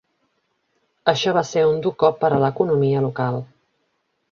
Això va ser un dur cop per a l'economia local.